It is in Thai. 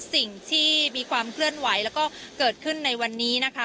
สิ่งที่มีความเคลื่อนไหวแล้วก็เกิดขึ้นในวันนี้นะคะ